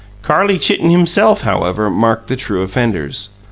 Carlie Chitten himself, however, marked the true offenders.